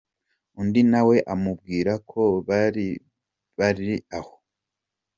Undi na we amubwira ko bari bari aho .